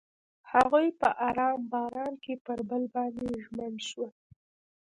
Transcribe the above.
هغوی په آرام باران کې پر بل باندې ژمن شول.